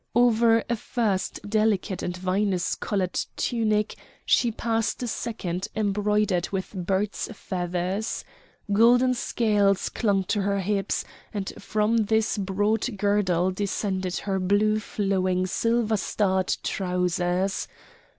Over a first delicate and vinous coloured tunic she passed a second embroidered with birds' feathers. Golden scales clung to her hips, and from this broad girdle descended her blue flowing silver starred trousers.